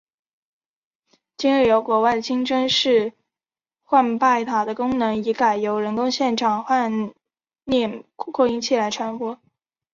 今日在国外的清真寺唤拜塔的功能已改由人工现场唤念扩音器来传播。